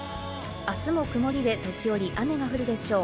あすも曇りで、時折雨が降るでしょう。